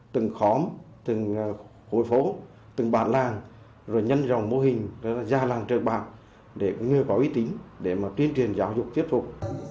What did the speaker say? từng khóm từng hội phố từng bản làng nhân dòng mô hình gia làng trợ bạc để người có ý tính để tuyên truyền giáo dục tiếp tục